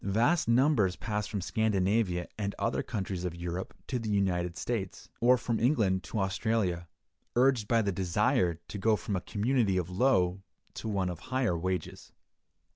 Vast numbers pass from Scandinavia and other countries of Europe to the United States, or from England to Australia, urged by the desire to go from a community of low to one of higher wages.